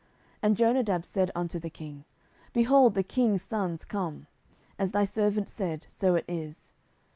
10:013:035 And Jonadab said unto the king, Behold, the king's sons come: as thy servant said, so it is.